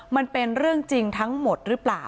มันเป็นเรื่องจริงทั้งหมดหรือเปล่า